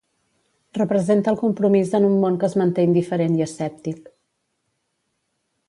Representa el compromís en un món que es manté indiferent i escèptic.